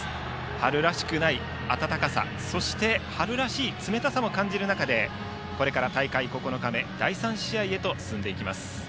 春らしくない暖かさそして、春らしい冷たさも感じる中でこれから大会９日目第３試合へと進んでいきます。